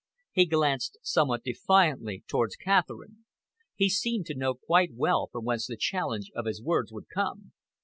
He glanced somewhat defiantly towards Catherine. He seemed to know quite well from whence the challenge of his words would come.